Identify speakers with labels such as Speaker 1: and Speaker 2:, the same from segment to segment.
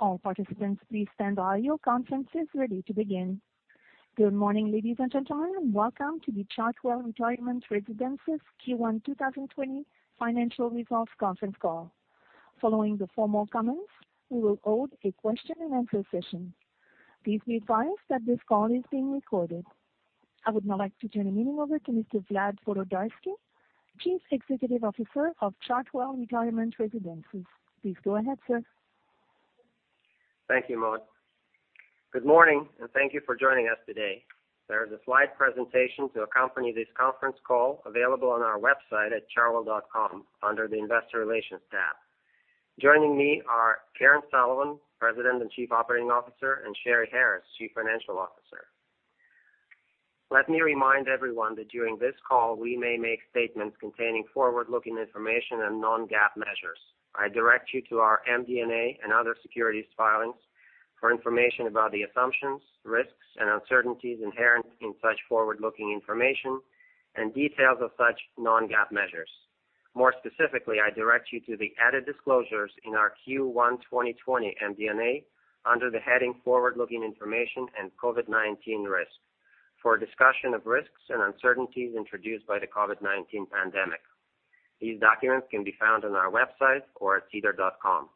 Speaker 1: All participants, please stand by. Your conference is ready to begin. Good morning, ladies and gentlemen. Welcome to the Chartwell Retirement Residences Q1 2020 financial results conference call. Following the formal comments, we will hold a question and answer session. Please be advised that this call is being recorded. I would now like to turn the meeting over to Mr. Vlad Volodarski, Chief Executive Officer of Chartwell Retirement Residences. Please go ahead, sir.
Speaker 2: Thank you, Maud. Good morning, and thank you for joining us today. There is a slide presentation to accompany this conference call available on our website at chartwell.com under the Investor Relations tab. Joining me are Karen Sullivan, President and Chief Operating Officer, and Sheri Harris, Chief Financial Officer. Let me remind everyone that during this call, we may make statements containing forward-looking information and non-GAAP measures. I direct you to our MD&A and other securities filings for information about the assumptions, risks, and uncertainties inherent in such forward-looking information and details of such non-GAAP measures. More specifically, I direct you to the added disclosures in our Q1 2020 MD&A under the heading Forward-Looking Information and COVID-19 Risks for a discussion of risks and uncertainties introduced by the COVID-19 pandemic. These documents can be found on our website or at SEDAR.com.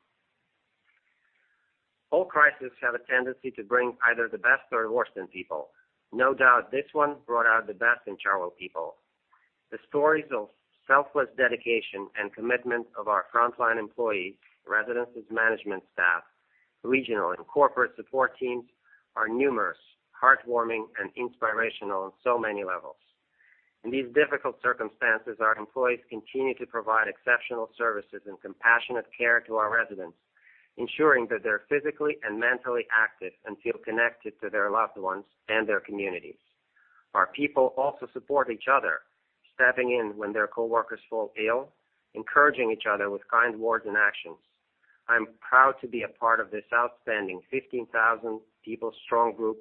Speaker 2: All crises have a tendency to bring either the best or worst in people. No doubt this one brought out the best in Chartwell people. The stories of selfless dedication and commitment of our frontline employees, residences management staff, regional and corporate support teams are numerous, heartwarming, and inspirational on so many levels. In these difficult circumstances, our employees continue to provide exceptional services and compassionate care to our residents, ensuring that they're physically and mentally active and feel connected to their loved ones and their communities. Our people also support each other, stepping in when their coworkers fall ill, encouraging each other with kind words and actions. I'm proud to be a part of this outstanding 15,000 people strong group,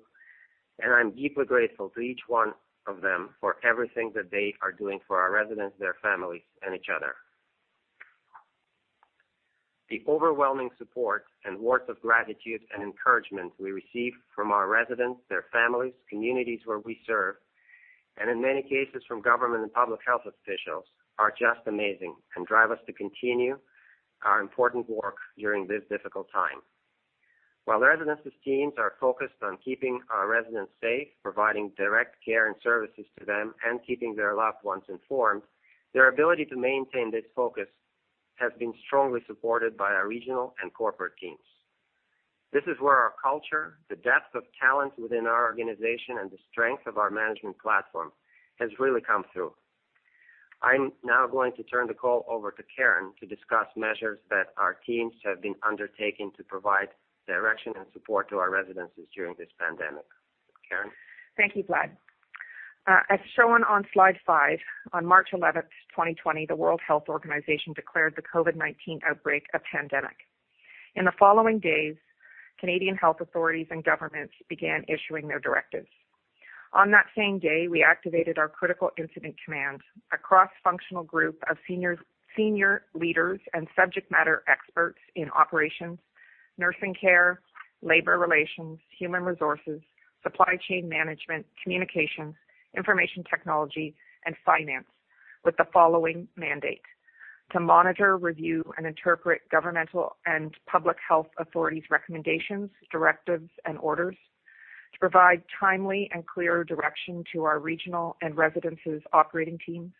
Speaker 2: and I'm deeply grateful to each one of them for everything that they are doing for our residents, their families, and each other. The overwhelming support and words of gratitude and encouragement we receive from our residents, their families, communities where we serve, and in many cases from government and public health officials, are just amazing and drive us to continue our important work during this difficult time. While residences teams are focused on keeping our residents safe, providing direct care and services to them, and keeping their loved ones informed, their ability to maintain this focus has been strongly supported by our regional and corporate teams. This is where our culture, the depth of talent within our organization, and the strength of our management platform has really come through. I'm now going to turn the call over to Karen to discuss measures that our teams have been undertaking to provide direction and support to our residences during this pandemic. Karen?
Speaker 3: Thank you, Vlad. As shown on slide five, on March 11th, 2020, the World Health Organization declared the COVID-19 outbreak a pandemic. In the following days, Canadian health authorities and governments began issuing their directives. On that same day, we activated our Critical Incident Command, a cross-functional group of senior leaders and subject matter experts in operations, nursing care, labor relations, human resources, supply chain management, communications, information technology, and finance with the following mandate. To monitor, review, and interpret governmental and public health authorities' recommendations, directives, and orders. To provide timely and clear direction to our regional and residences operating teams.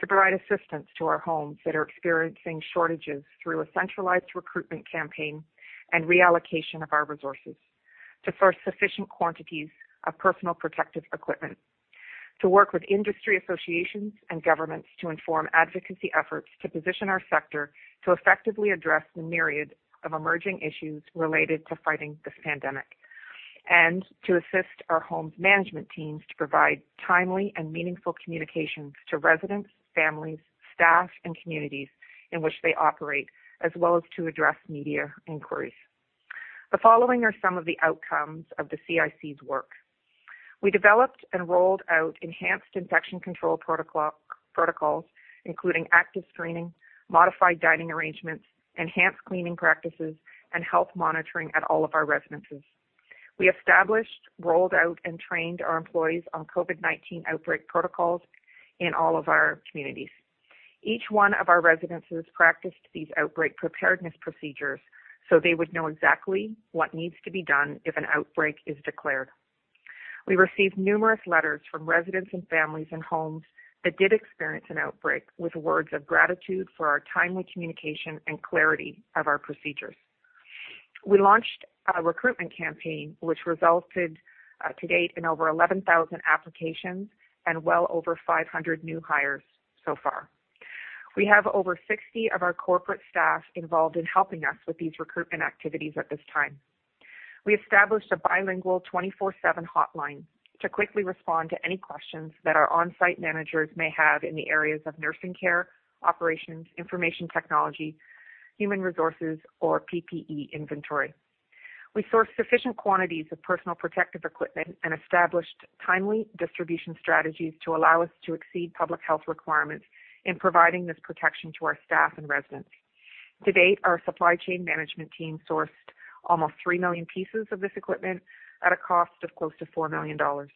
Speaker 3: To provide assistance to our homes that are experiencing shortages through a centralized recruitment campaign and reallocation of our resources. To source sufficient quantities of Personal Protective Equipment. To work with industry associations and governments to inform advocacy efforts to position our sector to effectively address the myriad of emerging issues related to fighting this pandemic. To assist our homes' management teams to provide timely and meaningful communications to residents, families, staff, and communities in which they operate, as well as to address media inquiries. The following are some of the outcomes of the CIC's work. We developed and rolled out enhanced infection control protocols, including active screening, modified dining arrangements, enhanced cleaning practices, and health monitoring at all of our residences. We established, rolled out, and trained our employees on COVID-19 outbreak protocols in all of our communities. Each one of our residences practiced these outbreak preparedness procedures so they would know exactly what needs to be done if an outbreak is declared. We received numerous letters from residents and families in homes that did experience an outbreak with words of gratitude for our timely communication and clarity of our procedures. We launched a recruitment campaign which resulted to date in over 11,000 applications and well over 500 new hires so far. We have over 60 of our corporate staff involved in helping us with these recruitment activities at this time. We established a bilingual 24/7 hotline to quickly respond to any questions that our on-site managers may have in the areas of nursing care, operations, information technology, human resources, or PPE inventory. We sourced sufficient quantities of personal protective equipment and established timely distribution strategies to allow us to exceed public health requirements in providing this protection to our staff and residents. To date, our supply chain management team sourced almost 3 million pieces of this equipment at a cost of close to 4 million dollars.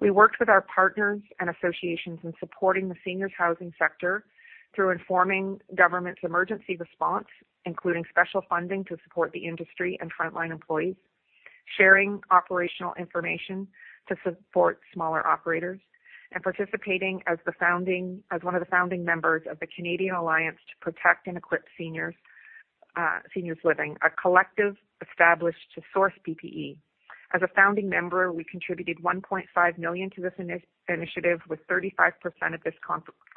Speaker 3: We worked with our partners and associations in supporting the seniors housing sector through informing government's emergency response, including special funding to support the industry and frontline employees, sharing operational information to support smaller operators, and participating as one of the founding members of the Canadian Alliance to Protect and Equip Seniors Living, a collective established to source PPE. As a founding member, we contributed 1.5 million to this initiative, with 35% of this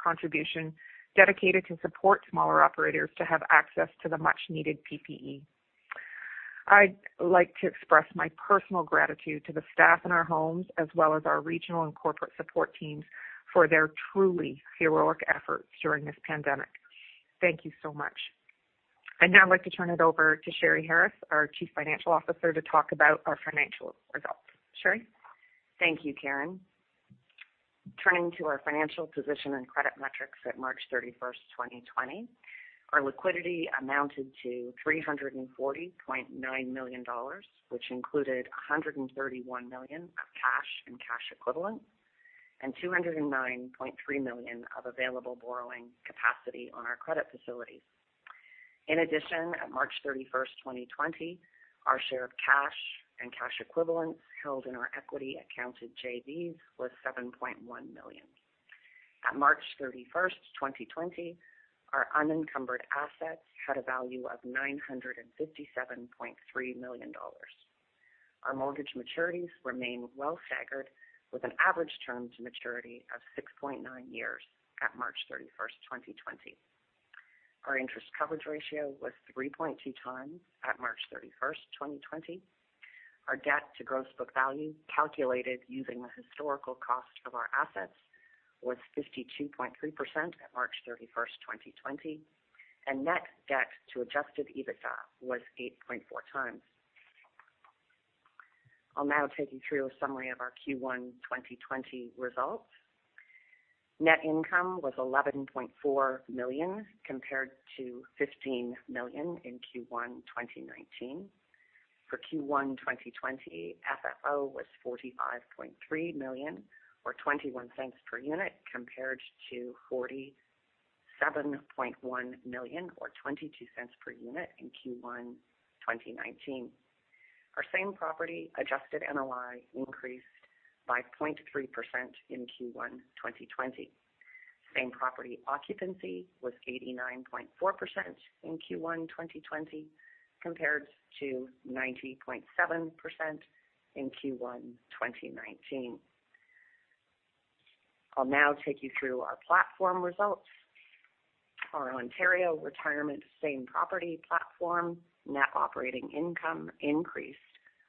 Speaker 3: contribution dedicated to support smaller operators to have access to the much-needed PPE. I'd like to express my personal gratitude to the staff in our homes, as well as our regional and corporate support teams, for their truly heroic efforts during this pandemic. Thank you so much. I'd now like to turn it over to Sheri Harris, our Chief Financial Officer, to talk about our financial results. Sheri?
Speaker 4: Thank you, Karen. Turning to our financial position and credit metrics at March 31st, 2020. Our liquidity amounted to 340.9 million dollars, which included 131 million of cash and cash equivalents, and 209.3 million of available borrowing capacity on our credit facilities. In addition, at March 31st, 2020, our share of cash and cash equivalents held in our equity accounted JVs was 7.1 million. At March 31st, 2020, our unencumbered assets had a value of 957.3 million dollars. Our mortgage maturities remain well staggered, with an average term to maturity of 6.9 years at March 31st, 2020. Our interest coverage ratio was 3.2x at March 31st, 2020. Our debt to gross book value, calculated using the historical cost of our assets, was 52.3% at March 31st, 2020, and Net Debt to Adjusted EBITDA was 8.4x. I'll now take you through a summary of our Q1 2020 results. Net Income was 11.4 million, compared to 15 million in Q1 2019. For Q1 2020, FFO was 45.3 million, or 0.21 per unit, compared to 47.1 million, or 0.22 per unit, in Q1 2019. Our Same Property Adjusted NOI increased by 0.3% in Q1 2020. Same Property Occupancy was 89.4% in Q1 2020, compared to 90.7% in Q1 2019. I'll now take you through our platform results. Our Ontario Retirement Same Property Platform net operating income increased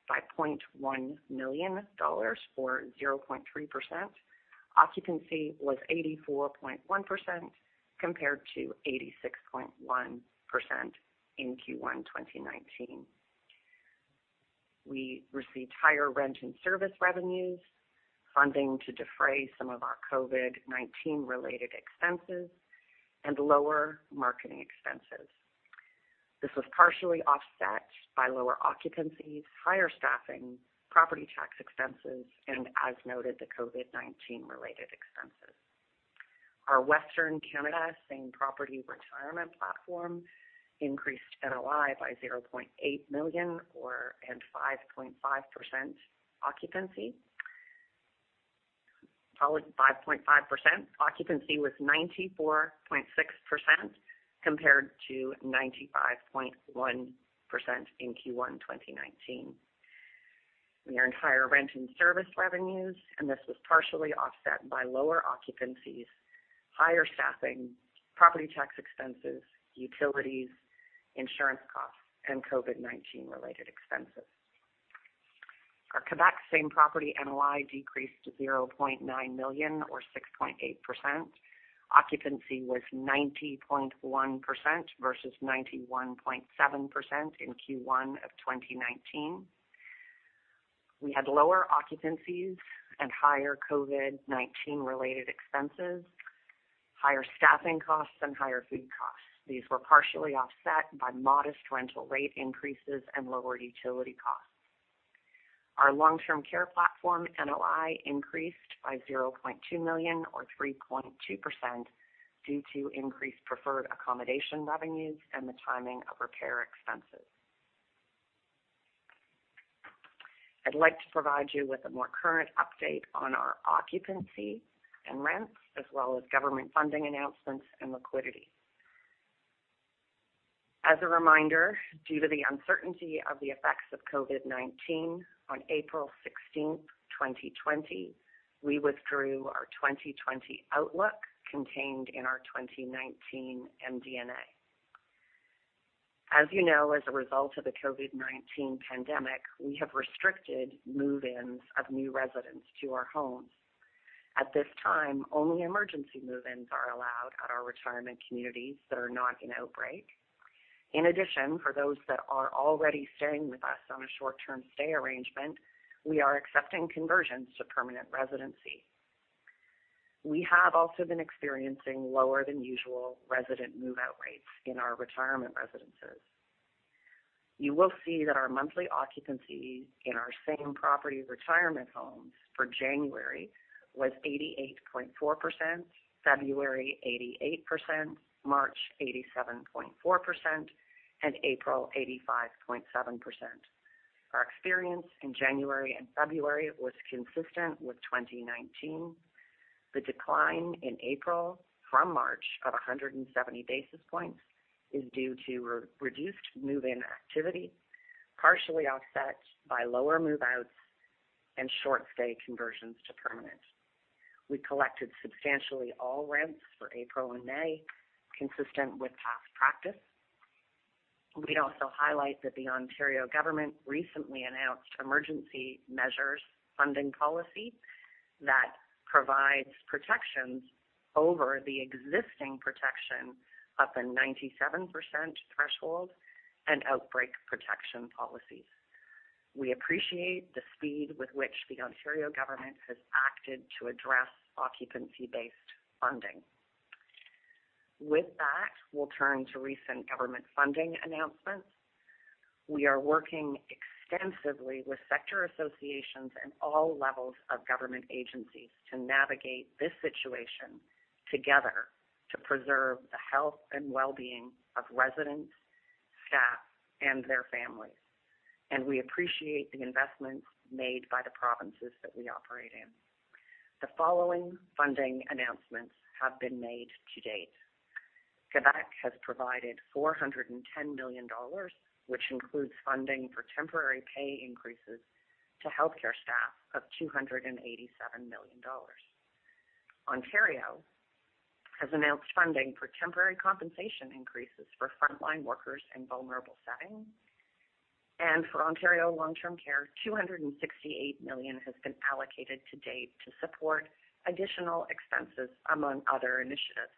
Speaker 4: by 0.1 million dollars, or 0.3%. Occupancy was 84.1%, compared to 86.1% in Q1 2019. We received higher rent and service revenues, funding to defray some of our COVID-19 related expenses, and lower marketing expenses. This was partially offset by lower occupancies, higher staffing, property tax expenses, and as noted, the COVID-19 related expenses. Our Western Canada Same Property Retirement Platform increased NOI by 0.8 million and 5.5% occupancy. Call it 5.5%. Occupancy was 94.6%, compared to 95.1% in Q1 2019. We earned higher rent and service revenues, and this was partially offset by lower occupancies, higher staffing, property tax expenses, utilities, insurance costs, and COVID-19 related expenses. Our Quebec Same Property NOI decreased to 0.9 million, or 6.8%. Occupancy was 90.1% versus 91.7% in Q1 of 2019. We had lower occupancies and higher COVID-19 related expenses, higher staffing costs, and higher food costs. These were partially offset by modest rental rate increases and lower utility costs. Our Long-Term Care Platform NOI increased by 0.2 million, or 3.2%, due to increased preferred accommodation revenues and the timing of repair expenses. I'd like to provide you with a more current update on our occupancy and rents, as well as government funding announcements and liquidity. As a reminder, due to the uncertainty of the effects of COVID-19, on April 16th, 2020, we withdrew our 2020 Outlook contained in our 2019 MD&A. As you know, as a result of the COVID-19 pandemic, we have restricted move-ins of new residents to our homes. At this time, only emergency move-ins are allowed at our retirement communities that are not in outbreak. In addition, for those that are already staying with us on a short-term stay arrangement, we are accepting conversions to permanent residency. We have also been experiencing lower than usual resident move-out rates in our retirement residences. You will see that our monthly occupancy in our Same-Property Retirement Homes for January was 88.4%, February 88%, March 87.4%, and April 85.7%. Our experience in January and February was consistent with 2019. The decline in April from March of 170 basis points is due to reduced move-in activity, partially offset by lower move-outs and short-stay conversions to permanent. We collected substantially all rents for April and May, consistent with past practice. We'd also highlight that the Ontario Government recently announced emergency measures funding policy that provides protections over the existing protection, up in 97% threshold, and outbreak protection policies. We appreciate the speed with which the Ontario Government has acted to address occupancy-based funding. With that, we'll turn to recent government funding announcements. We are working extensively with sector associations and all levels of government agencies to navigate this situation together to preserve the health and wellbeing of residents, staff, and their families. We appreciate the investments made by the provinces that we operate in. The following funding announcements have been made to date. Quebec has provided 410 million dollars, which includes funding for temporary pay increases to healthcare staff of 287 million dollars. Ontario has announced funding for temporary compensation increases for frontline workers in vulnerable settings. For Ontario Long-Term Care, 268 million has been allocated to date to support additional expenses among other initiatives.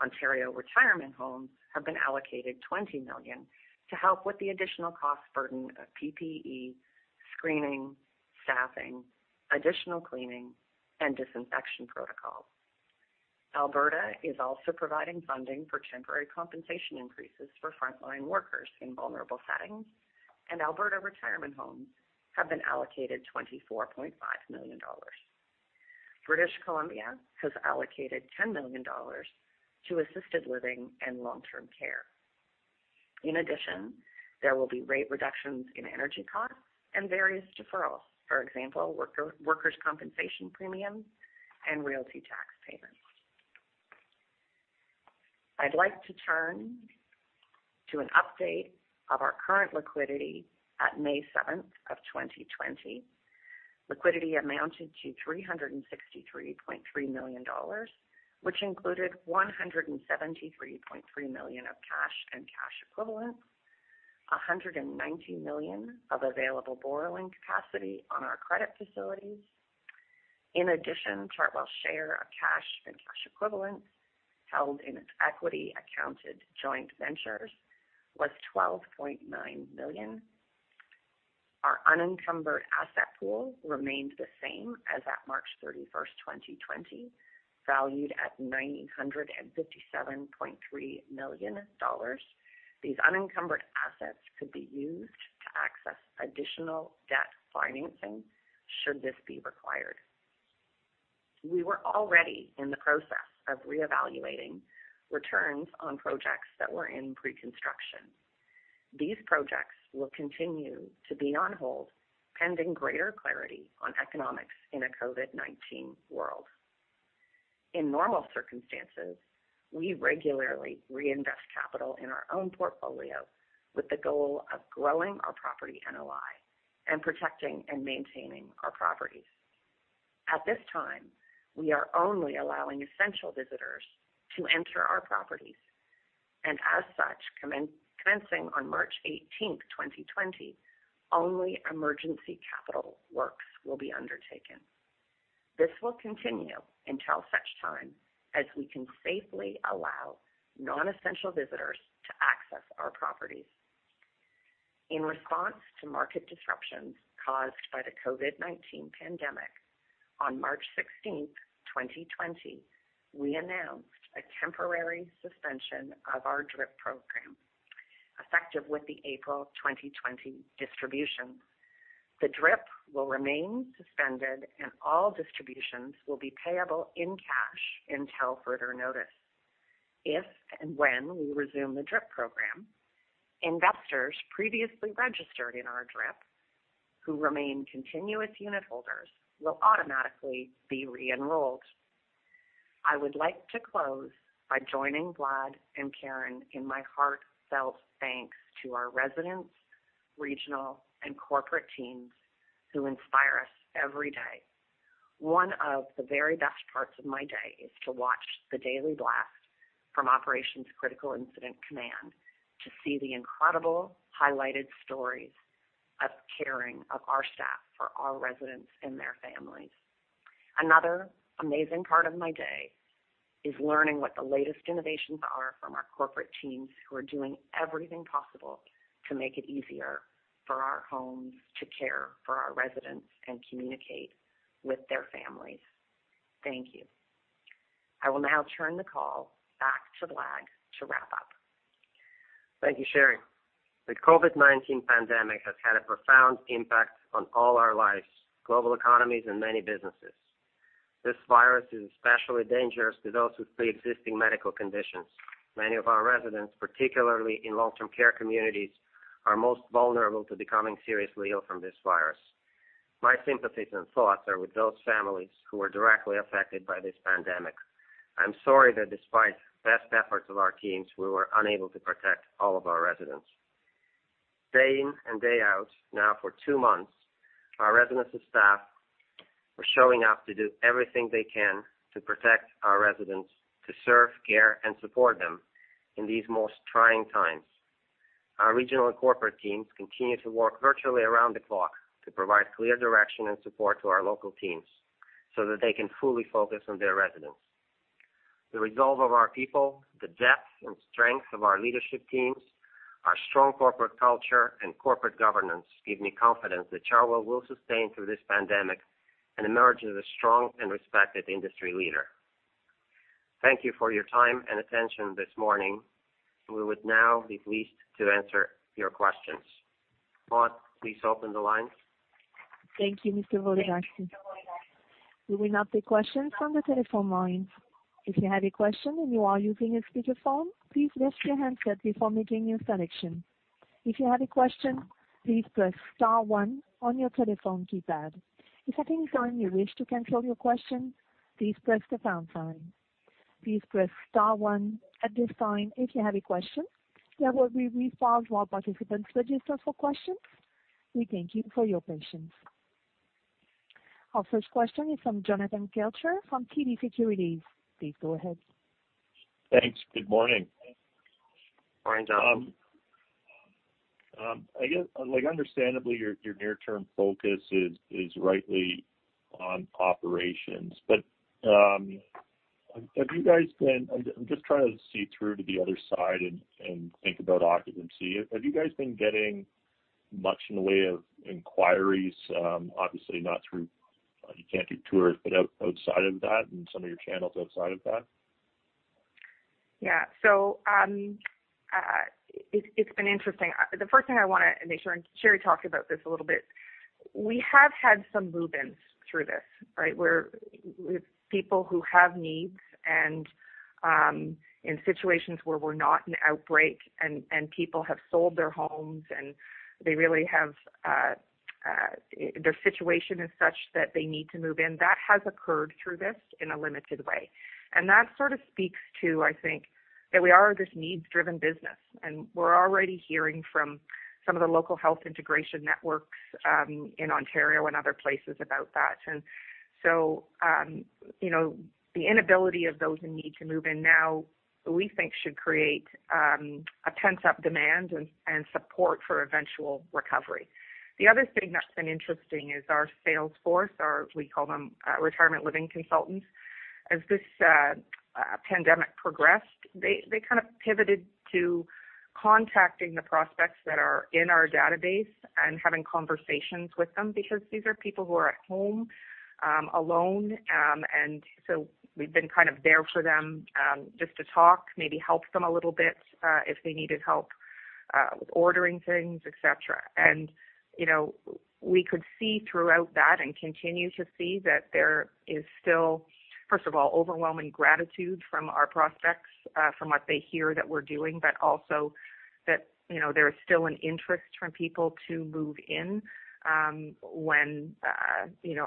Speaker 4: Ontario Retirement Homes have been allocated 20 million to help with the additional cost burden of PPE, screening, staffing, additional cleaning, and disinfection protocols. Alberta is also providing funding for temporary compensation increases for frontline workers in vulnerable settings, and Alberta Retirement Homes have been allocated 24.5 million dollars. British Columbia has allocated 10 million dollars to Assisted Living and Long-Term Care. In addition, there will be rate reductions in energy costs and various deferrals. For example, workers' compensation premiums and realty tax payments. I'd like to turn to an update of our current liquidity at May 7, 2020. Liquidity amounted to 363.3 million dollars, which included 173.3 million of cash and cash equivalents, 190 million of available borrowing capacity on our credit facilities. In addition, Chartwell's share of cash and cash equivalents held in its equity accounted joint ventures was 12.9 million. Our unencumbered asset pool remained the same as at March 31st, 2020, valued at CAD 957.3 million. These unencumbered assets could be used to access additional debt financing should this be required. We were already in the process of reevaluating returns on projects that were in pre-construction. These projects will continue to be on hold pending greater clarity on economics in a COVID-19 world. In normal circumstances, we regularly reinvest capital in our own portfolio with the goal of growing our property NOI and protecting and maintaining our properties. At this time, we are only allowing essential visitors to enter our properties. As such, commencing on March 18th, 2020, only emergency capital works will be undertaken. This will continue until such time as we can safely allow non-essential visitors to access our properties. In response to market disruptions caused by the COVID-19 pandemic, on March 16th, 2020, we announced a temporary suspension of our DRIP program, effective with the April 2020 distribution. The DRIP will remain suspended, and all distributions will be payable in cash until further notice. If and when we resume the DRIP program, investors previously registered in our DRIP who remain continuous unit holders will automatically be re-enrolled. I would like to close by joining Vlad and Karen in my heartfelt thanks to our residents, regional, and corporate teams who inspire us every day. One of the very best parts of my day is to watch the daily blast from Operations Critical Incident Command to see the incredible highlighted stories of caring of our staff for our residents and their families. Another amazing part of my day is learning what the latest innovations are from our corporate teams who are doing everything possible to make it easier for our homes to care for our residents and communicate with their families. Thank you. I will now turn the call back to Vlad to wrap up.
Speaker 2: Thank you, Sheri. The COVID-19 pandemic has had a profound impact on all our lives, global economies, and many businesses. This virus is especially dangerous to those with preexisting medical conditions. Many of our residents, particularly in Long-Term Care communities, are most vulnerable to becoming seriously ill from this virus. My sympathies and thoughts are with those families who are directly affected by this pandemic. I'm sorry that despite the best efforts of our teams, we were unable to protect all of our residents. Day in and day out, now for two months, our residents and staff are showing up to do everything they can to protect our residents, to serve, care, and support them in these most trying times. Our regional and corporate teams continue to work virtually around the clock to provide clear direction and support to our local teams so that they can fully focus on their residents. The resolve of our people, the depth and strength of our leadership teams, our strong corporate culture, and corporate governance give me confidence that Chartwell will sustain through this pandemic and emerge as a strong and respected industry leader. Thank you for your time and attention this morning. We would now be pleased to answer your questions. Maud, please open the lines.
Speaker 1: Thank you, Mr. Volodarski. We will now take questions from the telephone lines. If you have a question and you are using a speakerphone, please rest your handset before making your selection. If you have a question, please press star one on your telephone keypad. If at any time you wish to cancel your question, please press the pound sign. Please press star one at this time if you have a question. There will be a brief pause while participants register for questions. We thank you for your patience. Our first question is from Jonathan Kelcher from TD Securities. Please go ahead.
Speaker 5: Thanks. Good morning.
Speaker 2: Morning, Jonathan.
Speaker 5: Understandably, your near-term focus is rightly on operations. I'm just trying to see through to the other side and think about occupancy. Have you guys been getting much in the way of inquiries, obviously you can't do tours, but outside of that and some of your channels outside of that?
Speaker 3: Yeah. It's been interesting. The first thing I want to make sure, Sheri talked about this a little bit, we have had some move-ins through this. With people who have needs and in situations where we're not in outbreak and people have sold their homes, and their situation is such that they need to move in. That has occurred through this in a limited way. That sort of speaks to, I think, that we are this needs-driven business, and we're already hearing from some of the Local Health Integration Networks in Ontario and other places about that. The inability of those in need to move in now, we think should create a pent-up demand and support for eventual recovery. The other thing that's been interesting is our sales force, or we call them Retirement Living Consultants. As this pandemic progressed, they kind of pivoted to contacting the prospects that are in our database and having conversations with them because these are people who are at home alone. We've been there for them, just to talk, maybe help them a little bit, if they needed help with ordering things, et cetera. We could see throughout that and continue to see that there is still, first of all, overwhelming gratitude from our prospects, from what they hear that we're doing, but also that there is still an interest from people to move in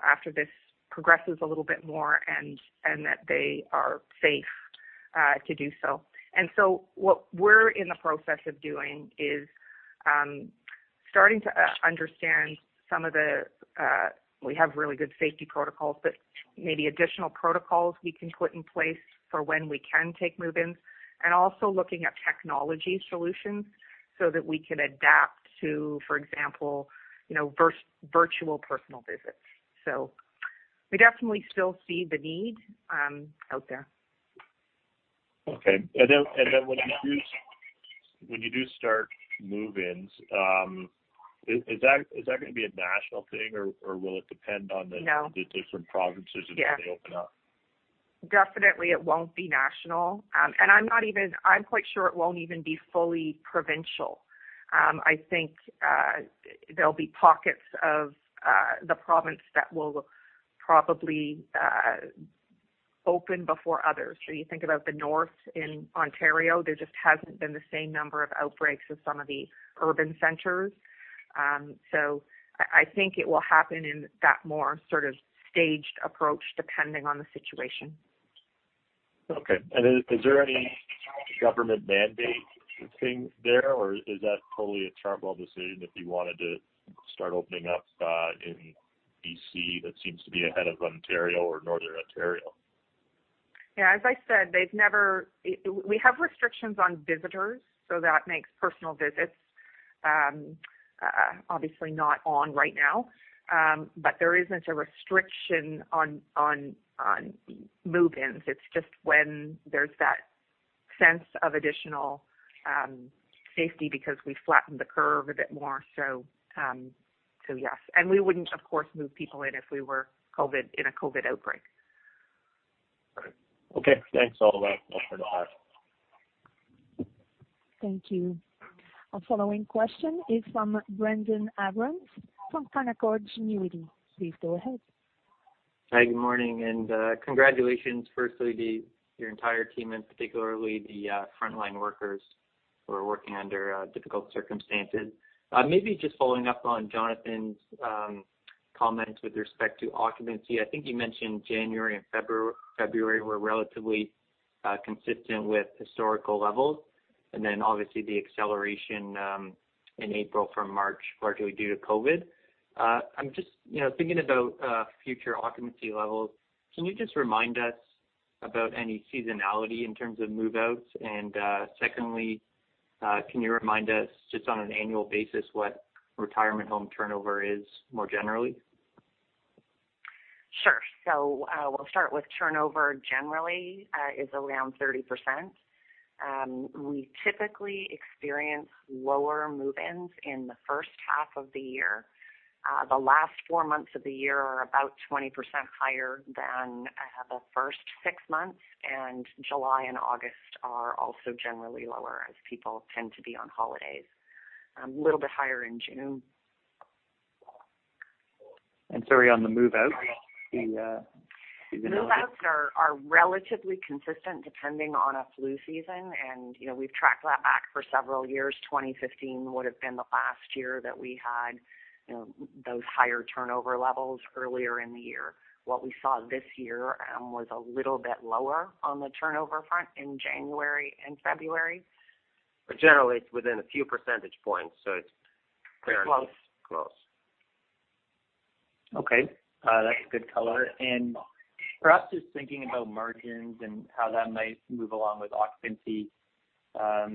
Speaker 3: after this progresses a little bit more, and that they are safe to do so. What we're in the process of doing is starting to understand some of the, we have really good safety protocols, but maybe additional protocols we can put in place for when we can take move-ins, and also looking at technology solutions so that we can adapt to, for example, virtual personal visits. We definitely still see the need out there.
Speaker 5: Okay. When you do start move-ins, is that going to be a national thing, or will it depend on the different provinces as they open up?
Speaker 3: Definitely it won't be national. I'm quite sure it won't even be fully provincial. I think there'll be pockets of the province that will probably open before others. You think about the north in Ontario, there just hasn't been the same number of outbreaks as some of the urban centers. I think it will happen in that more sort of staged approach, depending on the situation.
Speaker 5: Okay. Is there any government mandate thing there, or is that totally a Chartwell decision if you wanted to start opening up in B.C. that seems to be ahead of Ontario or Northern Ontario?
Speaker 3: Yeah, as I said, we have restrictions on visitors, so that makes personal visits obviously not on right now. There isn't a restriction on move-ins. It's just when there's that sense of additional safety because we flattened the curve a bit more. Yes, and we wouldn't, of course, move people in if we were in a COVID outbreak.
Speaker 5: Okay. Thanks a lot. Appreciate it a lot.
Speaker 1: Thank you. Our following question is from Brendon Abrams from Canaccord Genuity. Please go ahead.
Speaker 6: Hi, good morning and congratulations, firstly, to your entire team and particularly the frontline workers who are working under difficult circumstances. Maybe just following up on Jonathan's comments with respect to occupancy. I think you mentioned January and February were relatively consistent with historical levels, and then obviously the acceleration in April from March, largely due to COVID. I'm just thinking about future occupancy levels. Can you just remind us about any seasonality in terms of move-outs? Secondly, can you remind us just on an annual basis what retirement home turnover is more generally?
Speaker 4: Sure. We'll start with turnover generally is around 30%. We typically experience lower move-ins in the first half of the year. The last four months of the year are about 20% higher than the first six months, and July and August are also generally lower as people tend to be on holidays. A little bit higher in June.
Speaker 6: Sorry, on the move-outs, the seasonality?
Speaker 4: Move outs are relatively consistent depending on a flu season, and we've tracked that back for several years. 2015 would've been the last year that we had those higher turnover levels earlier in the year. What we saw this year was a little bit lower on the turnover front in January and February.
Speaker 2: Generally, it's within a few percentage points.
Speaker 4: Close
Speaker 2: Close.
Speaker 6: Okay, that's good color. For us, just thinking about margins and how that might move along with occupancy, I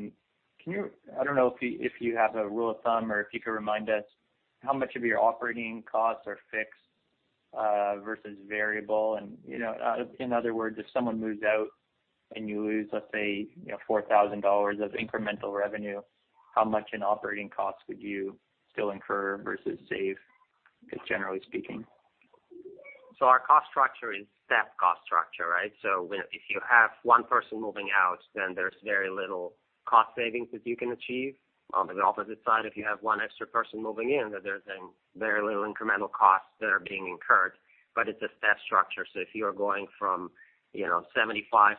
Speaker 6: don't know if you have a rule of thumb or if you could remind us how much of your operating costs are fixed versus variable. In other words, if someone moves out and you lose, let's say, 4,000 dollars of incremental revenue, how much in operating costs would you still incur versus save, just generally speaking?
Speaker 2: Our cost structure is staff cost structure, right? If you have one person moving out, then there's very little cost savings that you can achieve. On the opposite side, if you have one extra person moving in, then there's very little incremental costs that are being incurred, but it's a staff structure. If you are going from 75%-85%,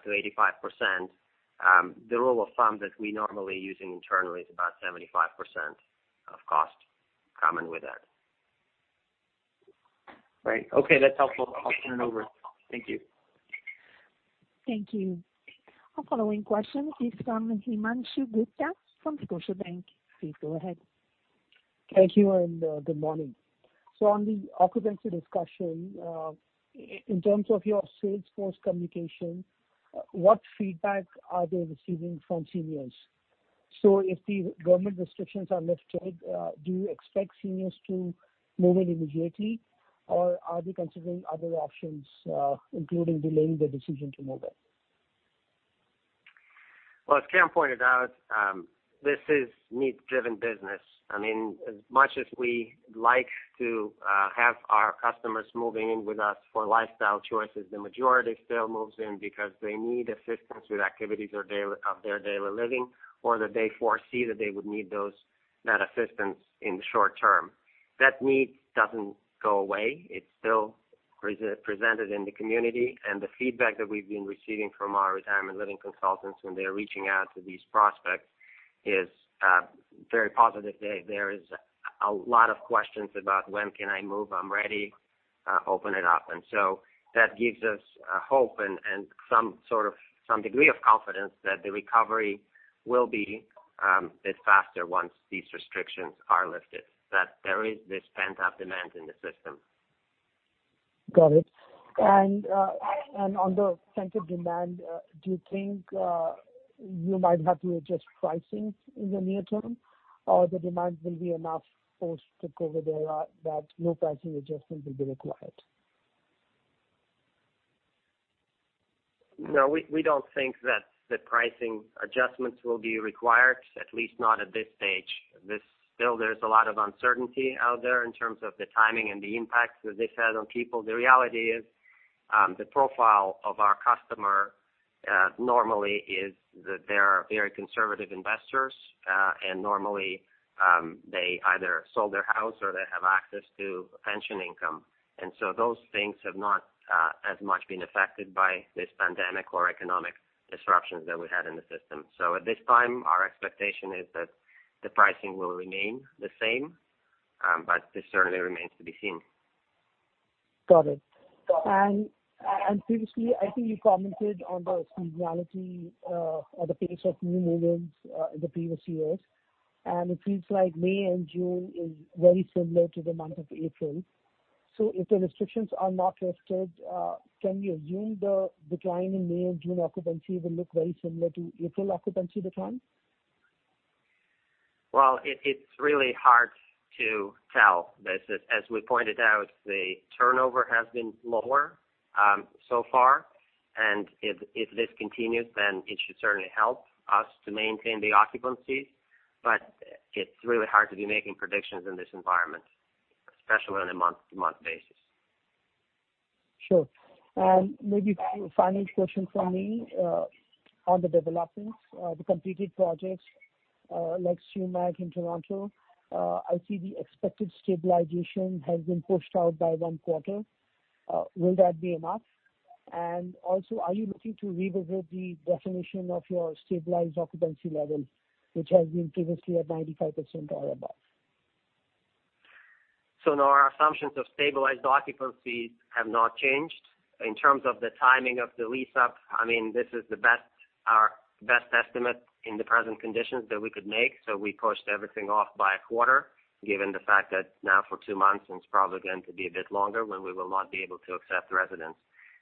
Speaker 2: the rule of thumb that we normally use internally is about 75% of cost coming with that.
Speaker 6: Right. Okay, that's helpful. I'll turn it over. Thank you.
Speaker 1: Thank you. Our following question is from Himanshu Gupta from Scotiabank. Please go ahead.
Speaker 7: Thank you, and good morning. On the occupancy discussion, in terms of your sales force communication, what feedback are they receiving from seniors? If the government restrictions are lifted, do you expect seniors to move in immediately, or are they considering other options, including delaying their decision to move in?
Speaker 2: Well, as Karen pointed out, this is needs-driven business. As much as we like to have our customers moving in with us for lifestyle choices, the majority still moves in because they need assistance with activities of their daily living, or that they foresee that they would need that assistance in the short-term. That need doesn't go away. It's still presented in the community. The feedback that we've been receiving from our Retirement Living Consultants when they're reaching out to these prospects is very positive. There is a lot of questions about, when can I move? I'm ready. Open it up. That gives us hope and some degree of confidence that the recovery will be a bit faster once these restrictions are lifted, that there is this pent-up demand in the system.
Speaker 7: Got it. On the pent-up demand, do you think you might have to adjust pricing in the near-term, or the demand will be enough post-COVID era that no pricing adjustment will be required?
Speaker 2: No, we don't think that the pricing adjustments will be required, at least not at this stage. There's a lot of uncertainty out there in terms of the timing and the impacts that this had on people. The reality is, the profile of our customer, normally is that they are very conservative investors, and normally, they either sold their house or they have access to pension income. Those things have not as much been affected by this pandemic or economic disruptions that we had in the system. At this time, our expectation is that the pricing will remain the same, but this certainly remains to be seen.
Speaker 7: Got it. Previously, I think you commented on the seasonality, or the pace of new move-ins in the previous years. It seems like May and June is very similar to the month of April. If the restrictions are not lifted, can we assume the decline in May and June occupancy will look very similar to April occupancy decline?
Speaker 2: Well, it's really hard to tell. As we pointed out, the turnover has been lower so far, and if this continues, then it should certainly help us to maintain the occupancies. It's really hard to be making predictions in this environment, especially on a month-to-month basis.
Speaker 7: Sure. Maybe final question from me on the developments. The completed projects, like Sumach in Toronto, I see the expected stabilization has been pushed out by one quarter. Will that be enough? Also, are you looking to revisit the definition of your stabilized occupancy level, which has been previously at 95% or above?
Speaker 2: No, our assumptions of stabilized occupancies have not changed. In terms of the timing of the lease-up, this is our best estimate in the present conditions that we could make. We pushed everything off by a quarter, given the fact that now for two months, and it's probably going to be a bit longer, when we will not be able to accept residents.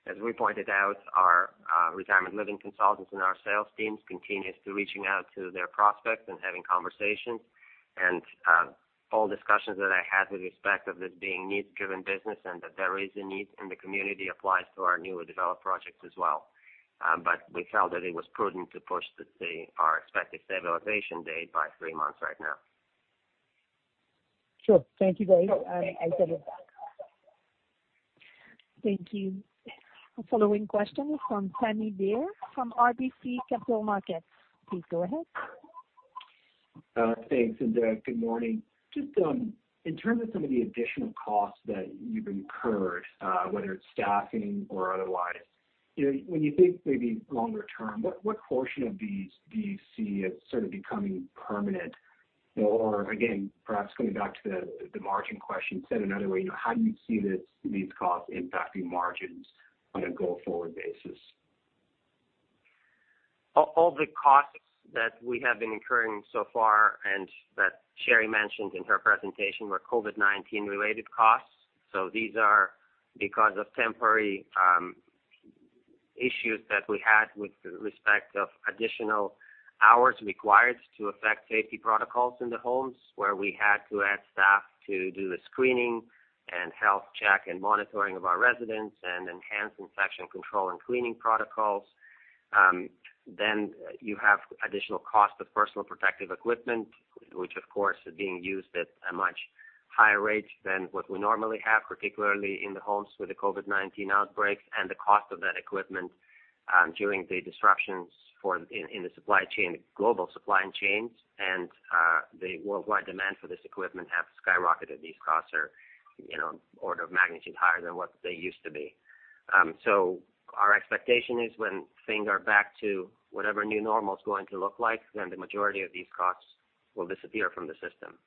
Speaker 2: As we pointed out, our Retirement Living Consultants and our sales teams continue to reaching out to their prospects and having conversations, and all discussions that I had with respect of this being needs driven business and that there is a need in the community applies to our newly developed projects as well. We felt that it was prudent to push our expected stabilization date by three months right now.
Speaker 7: Sure. Thank you very. I'll send it back.
Speaker 1: Thank you. Our following question is from Pammi Bir from RBC Capital Markets. Please go ahead.
Speaker 8: Thanks. Good morning. Just in terms of some of the additional costs that you've incurred, whether it's staffing or otherwise, when you think maybe longer term, what portion of these do you see as sort of becoming permanent? Again, perhaps coming back to the margin question, said another way, how do you see these costs impacting margins on a go forward basis?
Speaker 2: All the costs that we have been incurring so far, and that Sheri mentioned in her presentation, were COVID-19 related costs. These are because of temporary issues that we had with respect of additional hours required to affect safety protocols in the homes, where we had to add staff to do the screening and health check and monitoring of our residents and enhance infection control and cleaning protocols. You have additional cost of personal protective equipment, which of course, is being used at a much higher rate than what we normally have, particularly in the homes with the COVID-19 outbreaks and the cost of that equipment during the disruptions in the supply chain, global supply chains, and the worldwide demand for this equipment have skyrocketed. These costs are an order of magnitude higher than what they used to be. Our expectation is when things are back to whatever new normal is going to look like, then the majority of these costs will disappear from the system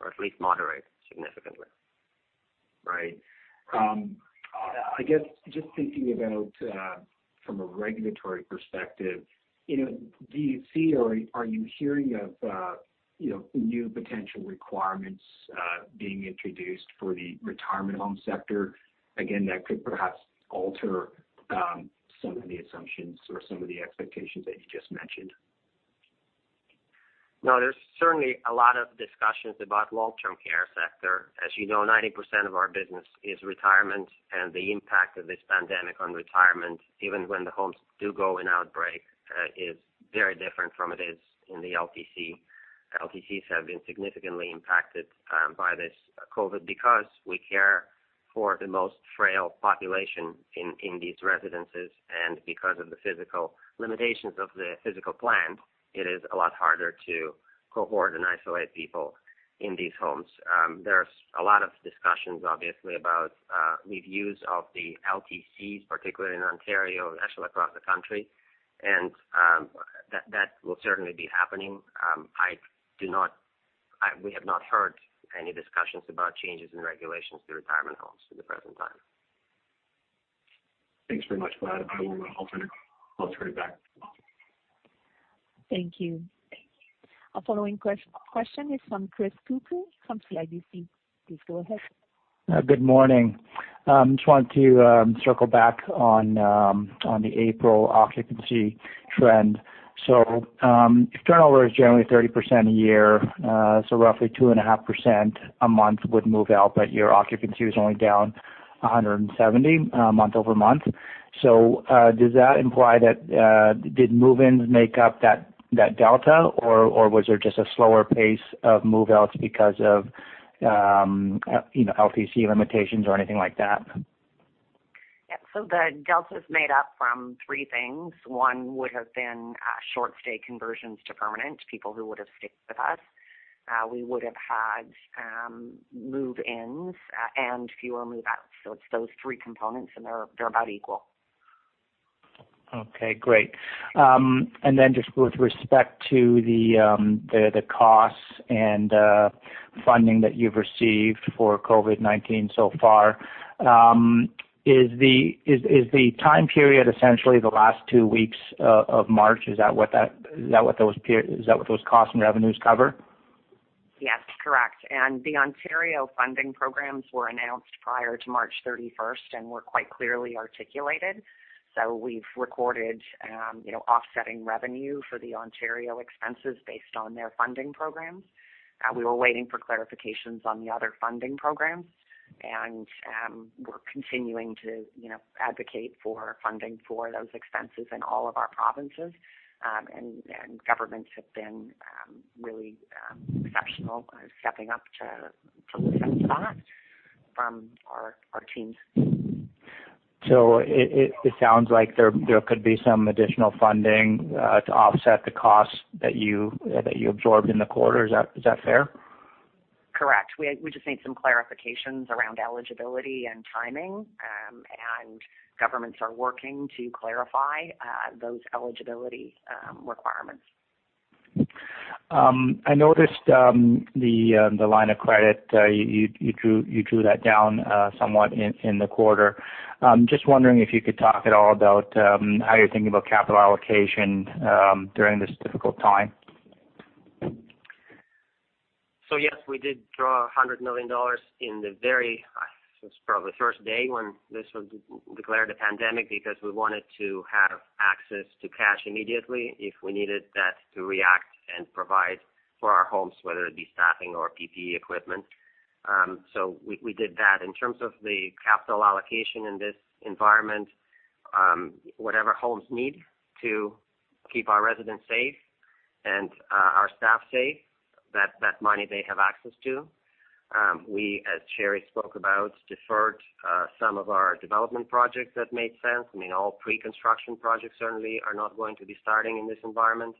Speaker 2: or at least moderate significantly.
Speaker 8: Right. I guess, just thinking about from a regulatory perspective, do you see or are you hearing of new potential requirements being introduced for the Retirement Home sector? Again, that could perhaps alter some of the assumptions or some of the expectations that you just mentioned.
Speaker 2: No, there's certainly a lot of discussions about Long-term care sector. As you know, 90% of our business is Retirement, and the impact of this pandemic on retirement, even when the homes do go in outbreak, is very different from it is in the LTC. LTCs have been significantly impacted by this COVID because we care for the most frail population in these residences, and because of the physical limitations of the physical plant, it is a lot harder to cohort and isolate people in these homes. There's a lot of discussions, obviously, about reviews of the LTCs, particularly in Ontario and actually across the country. That will certainly be happening. We have not heard any discussions about changes in regulations to Retirement Homes at the present time.
Speaker 8: Thanks very much. I will alternate back.
Speaker 1: Thank you. Our following question is from Chris Couprie from CIBC. Please go ahead.
Speaker 9: Good morning. Just wanted to circle back on the April occupancy trend. If turnover is generally 30% a year, roughly 2.5% a month would move out, but your occupancy was only down 170 month-over-month. Does that imply that, did move-ins make up that delta, or was there just a slower pace of move-outs because of LTC limitations or anything like that?
Speaker 4: Yeah. The delta's made up from three things. One would have been short stay conversions to permanent, people who would've sticked with us. We would've had move-ins and fewer move-outs. It's those three components, and they're about equal.
Speaker 9: Okay. Great. Then just with respect to the costs and funding that you've received for COVID-19 so far? Is the time period essentially the last two weeks of March? Is that what those costs and revenues cover?
Speaker 4: Yes, correct. The Ontario funding programs were announced prior to March 31st and were quite clearly articulated. We've recorded offsetting revenue for the Ontario expenses based on their funding programs. We were waiting for clarifications on the other funding programs, and we're continuing to advocate for funding for those expenses in all of our provinces. Governments have been really exceptional, stepping up to accept that from our teams.
Speaker 9: It sounds like there could be some additional funding to offset the costs that you absorbed in the quarter. Is that fair?
Speaker 4: Correct. We just need some clarifications around eligibility and timing. Governments are working to clarify those eligibility requirements.
Speaker 9: I noticed the line of credit, you drew that down somewhat in the quarter. Just wondering if you could talk at all about how you're thinking about capital allocation during this difficult time?
Speaker 2: Yes, we did draw 100 million dollars in the very, it's probably first day when this was declared a pandemic because we wanted to have access to cash immediately if we needed that to react and provide for our homes, whether it be staffing or PPE equipment. We did that. In terms of the capital allocation in this environment, whatever homes need to keep our residents safe and our staff safe, that money they have access to. We, as Sheri spoke about, deferred some of our development projects that made sense. All pre-construction projects certainly are not going to be starting in this environment.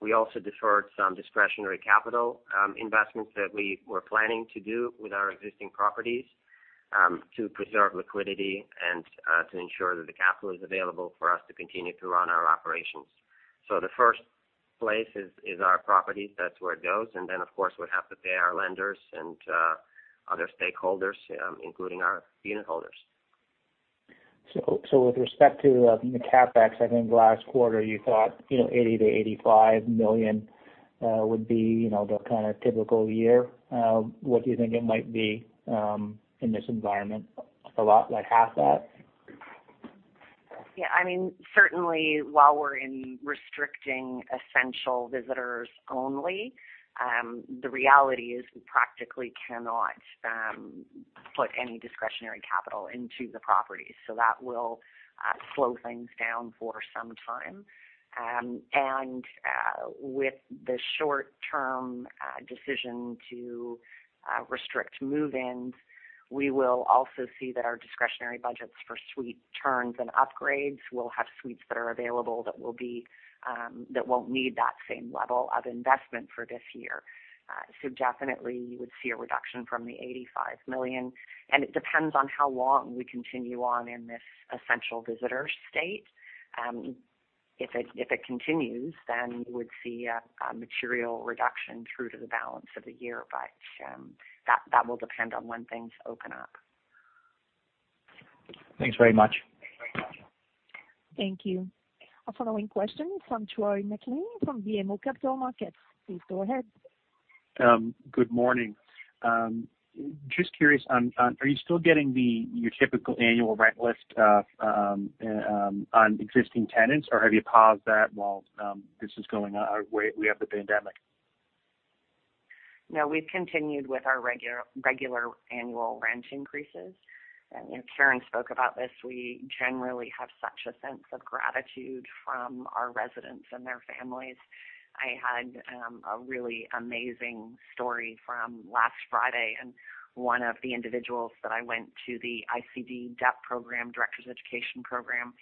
Speaker 2: We also deferred some discretionary capital investments that we were planning to do with our existing properties to preserve liquidity and to ensure that the capital is available for us to continue to run our operations. The first place is our properties. That's where it goes, and then of course, we have to pay our lenders and other stakeholders, including our unitholders.
Speaker 9: With respect to the CapEx, I think last quarter you thought, 80 million-85 million would be the kind of typical year. What do you think it might be in this environment? A lot like half that?
Speaker 4: Yeah, certainly, while we're in restricting essential visitors only, the reality is we practically cannot put any discretionary capital into the properties. That will slow things down for some time. With the short-term decision to restrict move-ins, we will also see that our discretionary budgets for suite turns and upgrades, we'll have suites that are available that won't need that same level of investment for this year. Definitely you would see a reduction from the 85 million, it depends on how long we continue on in this essential visitor state. If it continues, then we'd see a material reduction through to the balance of the year, That will depend on when things open up.
Speaker 9: Thanks very much.
Speaker 1: Thank you. Our following question is from Troy MacLean from BMO Capital Markets. Please go ahead.
Speaker 10: Good morning. Just curious on, are you still getting your typical annual rent list on existing tenants, or have you paused that while this is going on, we have the pandemic?
Speaker 4: No, we've continued with our regular annual rent increases. Karen spoke about this. We generally have such a sense of gratitude from our residents and their families. I had a really amazing story from last Friday, and one of the individuals that I went to the ICD-Rotman Directors Education Program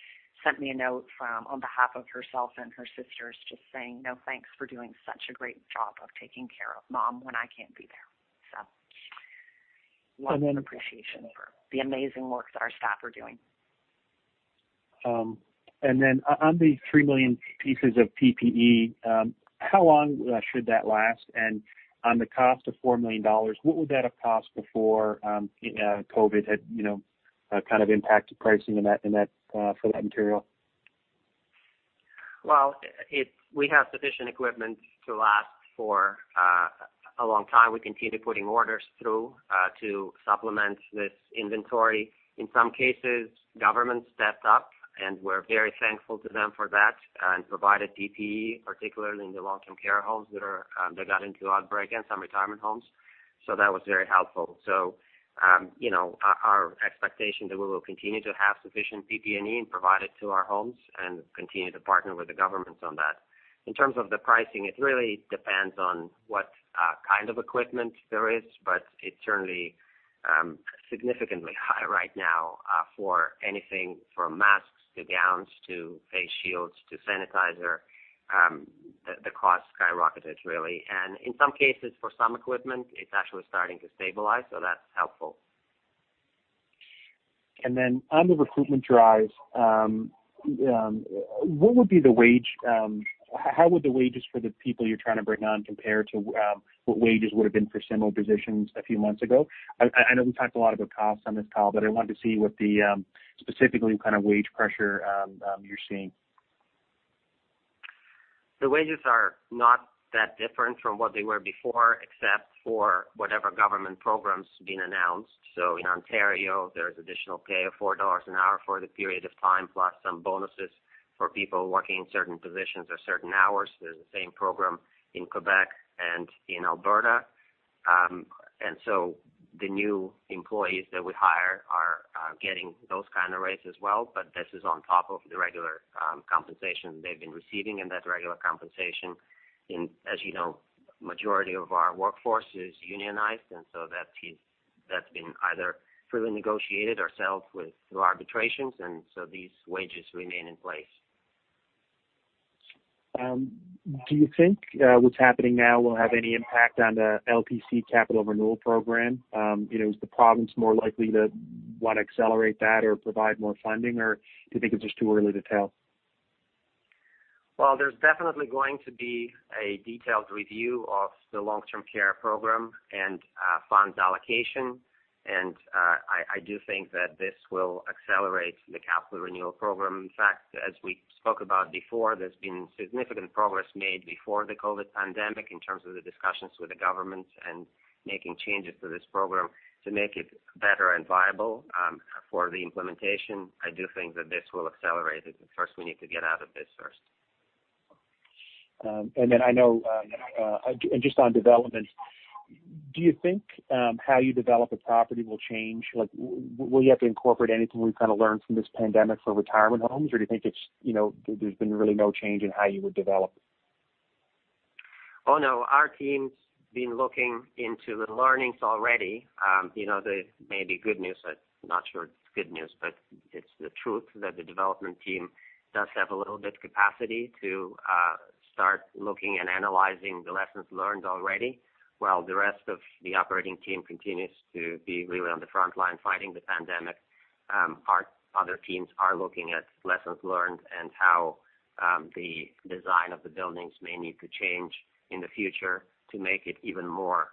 Speaker 4: sent me a note from on behalf of herself and her sisters just saying, "Thanks for doing such a great job of taking care of mom when I can't be there." Lot of appreciation for the amazing work that our staff are doing.
Speaker 10: Then on the 3 million pieces of PPE, how long should that last? On the cost of 4 million dollars, what would that have cost before COVID had kind of impacted pricing for that material?
Speaker 2: Well, we have sufficient equipment to last for a long time. We continue putting orders through to supplement this inventory. In some cases, governments stepped up, and we're very thankful to them for that, and provided PPE, particularly in the long-term care homes that got into outbreak, and some Retirement Homes. That was very helpful. Our expectation that we will continue to have sufficient PPE and provide it to our homes and continue to partner with the governments on that. In terms of the pricing, it really depends on what kind of equipment there is, but it certainly, significantly high right now, for anything from masks to gowns, to face shields to sanitizer. The cost skyrocketed, really, and in some cases, for some equipment, it's actually starting to stabilize, so that's helpful.
Speaker 10: Then on the recruitment drive, how would the wages for the people you're trying to bring on compare to what wages would've been for similar positions a few months ago? I know we talked a lot about costs on this call, but I wanted to see what the specific kind of wage pressure you're seeing.
Speaker 2: The wages are not that different from what they were before, except for whatever government programs being announced. In Ontario, there's additional pay of 4 dollars an hour for the period of time, plus some bonuses for people working in certain positions or certain hours. There's the same program in Quebec and in Alberta. The new employees that we hire are getting those kind of rates as well, but this is on top of the regular compensation they've been receiving, and that regular compensation in, as you know, majority of our workforce is unionized, that's been either fully negotiated ourselves through arbitrations, these wages remain in place.
Speaker 10: Do you think what's happening now will have any impact on the LTC Capital Renewal Program? Is the province more likely to want to accelerate that or provide more funding, or do you think it's just too early to tell?
Speaker 2: There's definitely going to be a detailed review of the Long-Term Care program and Funds Allocation, and I do think that this will accelerate the Capital Renewal Program. In fact, as we spoke about before, there's been significant progress made before the COVID pandemic in terms of the discussions with the government and making changes to this program to make it better and viable for the implementation. I do think that this will accelerate it, but first we need to get out of this first.
Speaker 10: Just on development, do you think how you develop a property will change? Will you have to incorporate anything we've learned from this pandemic for retirement homes, or do you think there's been really no change in how you would develop?
Speaker 2: Oh, no. Our team's been looking into the learnings already. It may be good news, but not sure it's good news, but it's the truth that the development team does have a little bit of capacity to start looking and analyzing the lessons learned already while the rest of the operating team continues to be really on the front line fighting the pandemic. Our other teams are looking at lessons learned and how the design of the buildings may need to change in the future to make it even more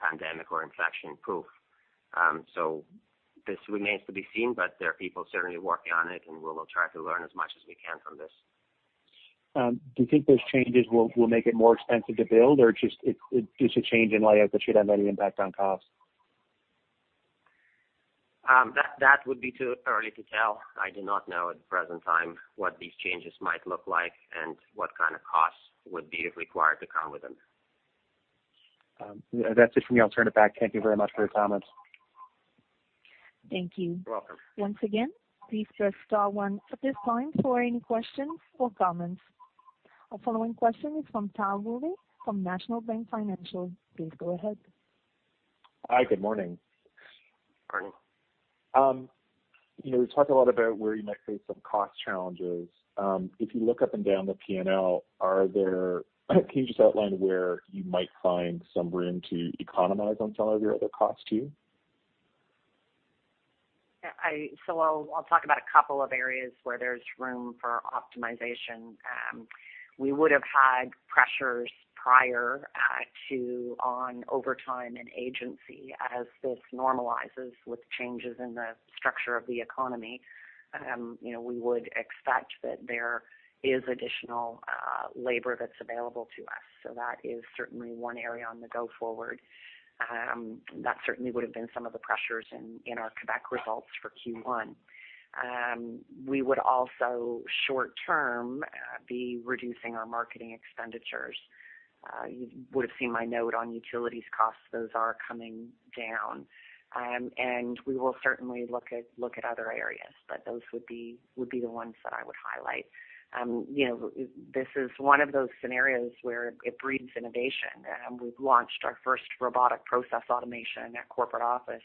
Speaker 2: pandemic or infection-proof. This remains to be seen, but there are people certainly working on it, and we will try to learn as much as we can from this.
Speaker 10: Do you think those changes will make it more expensive to build, or just a change in layout that should have any impact on cost?
Speaker 2: That would be too early to tell. I do not know at the present time what these changes might look like and what kind of costs would be required to come with them.
Speaker 10: That's it for me. I'll turn it back. Thank you very much for your comments.
Speaker 1: Thank you.
Speaker 2: You're welcome.
Speaker 1: Once again, please press star one at this time for any questions or comments. Our following question is from Tal Woolley from National Bank Financial. Please go ahead.
Speaker 11: Hi, good morning.
Speaker 2: Morning.
Speaker 11: You talked a lot about where you might face some cost challenges. If you look up and down the P&L, can you just outline where you might find some room to economize on some of your other costs too?
Speaker 4: I'll talk about a couple of areas where there's room for optimization. We would've had pressures prior to on overtime and agency. As this normalizes with changes in the structure of the economy, we would expect that there is additional labor that's available to us. That is certainly one area on the go forward. That certainly would've been some of the pressures in our Quebec results for Q1. We would also short-term, be reducing our marketing expenditures. You would've seen my note on utilities costs. Those are coming down. We will certainly look at other areas, but those would be the ones that I would highlight. This is one of those scenarios where it breeds innovation. We've launched our first Robotic Process Automation at corporate office,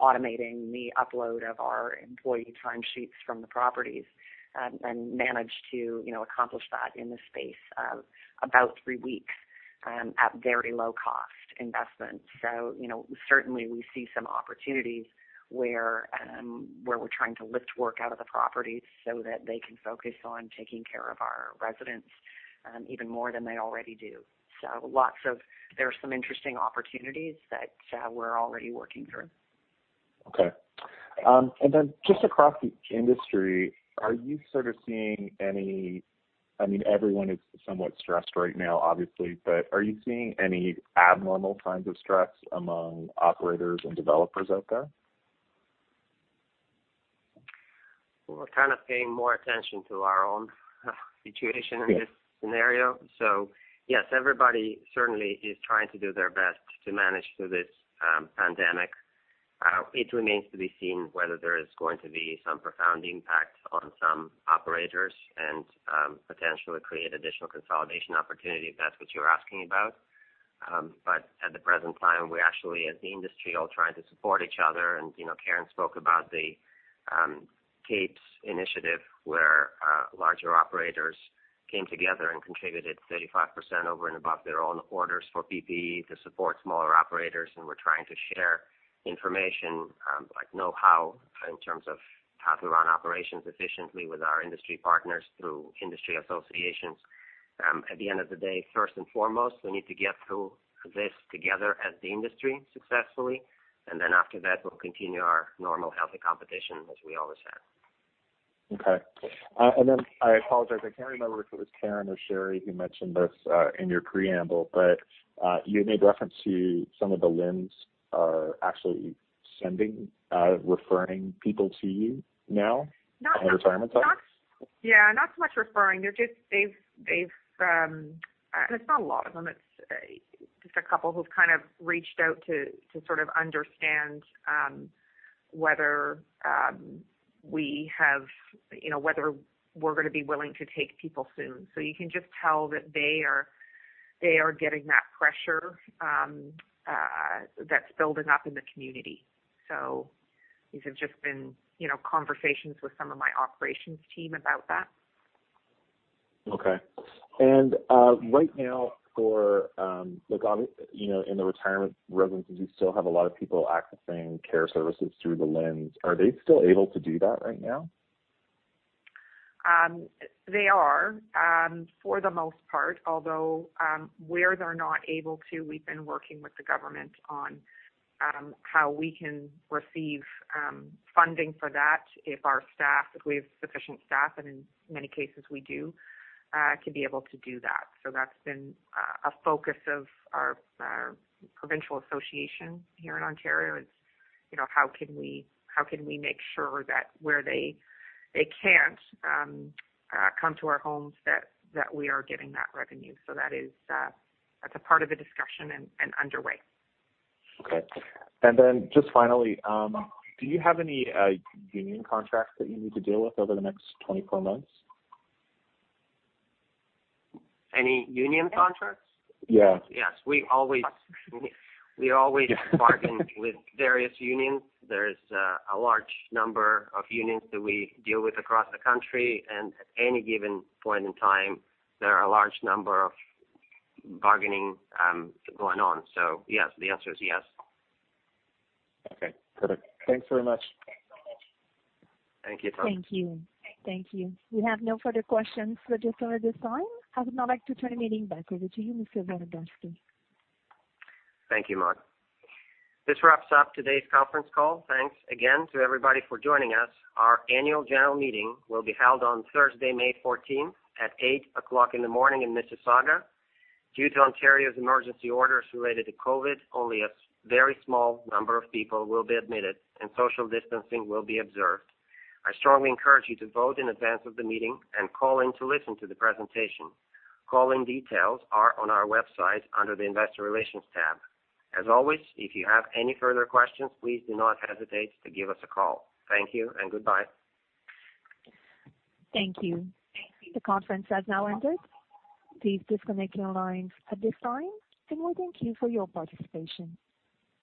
Speaker 4: automating the upload of our employee time sheets from the properties, managed to accomplish that in the space of about three weeks at very low cost investment. Certainly we see some opportunities where we're trying to lift work out of the properties so that they can focus on taking care of our residents, even more than they already do. There are some interesting opportunities that we're already working through.
Speaker 11: Okay. Just across the industry, everyone is somewhat stressed right now, obviously, but are you seeing any abnormal signs of stress among operators and developers out there?
Speaker 2: We're kind of paying more attention to our own situation in this scenario. Yes, everybody certainly is trying to do their best to manage through this pandemic. It remains to be seen whether there is going to be some profound impact on some operators and potentially create additional consolidation opportunity, if that's what you're asking about. At the present time, we actually, as the industry, all trying to support each other, and Karen spoke about the CAPES initiative, where larger operators came together and contributed 35% over and above their own orders for PPE to support smaller operators, and we're trying to share information, like knowhow, in terms of how to run operations efficiently with our industry partners through industry associations. At the end of the day, first and foremost, we need to get through this together as the industry successfully, and then after that, we'll continue our normal healthy competition as we always have.
Speaker 11: Okay. I apologize, I can't remember if it was Karen or Sheri who mentioned this in your preamble, but you made reference to some of the LHINs are actually referring people to you now in Retirement Homes?
Speaker 3: Yeah, not so much referring. It's not a lot of them, it's just a couple who've reached out to sort of understand whether we're going to be willing to take people soon. You can just tell that they are getting that pressure that's building up in the community. These have just been conversations with some of my operations team about that.
Speaker 11: Okay. Right now in the retirement residences, you still have a lot of people accessing care services through the LHINs. Are they still able to do that right now?
Speaker 3: They are, for the most part. Where they're not able to, we've been working with the government on how we can receive funding for that if we have sufficient staff, and in many cases we do, to be able to do that. That's been a focus of our provincial association here in Ontario is, how can we make sure that where they can't come to our homes, that we are getting that revenue. That's a part of the discussion and underway.
Speaker 11: Okay. Then just finally, do you have any union contracts that you need to deal with over the next 24 months?
Speaker 2: Any union contracts?
Speaker 11: Yeah.
Speaker 2: Yes. We always bargain with various unions. There's a large number of unions that we deal with across the country, and at any given point in time, there are a large number of bargaining going on. Yes, the answer is yes.
Speaker 11: Okay, perfect. Thanks very much.
Speaker 2: Thank you, Tal.
Speaker 1: Thank you. We have no further questions registered at this time. I would now like to turn the meeting back over to you, Mr. Volodarski.
Speaker 2: Thank you, Maude. This wraps up today's conference call. Thanks again to everybody for joining us. Our annual general meeting will be held on Thursday, May 14th at 8:00 A.M. in Mississauga. Due to Ontario's emergency orders related to COVID, only a very small number of people will be admitted, and social distancing will be observed. I strongly encourage you to vote in advance of the meeting and call in to listen to the presentation. Call-in details are on our website under the Investor Relations tab. As always, if you have any further questions, please do not hesitate to give us a call. Thank you and goodbye.
Speaker 1: Thank you. The conference has now ended. Please disconnect your lines at this time, and we thank you for your participation.